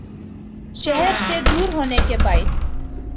شہر سے دور ہونے کے باعث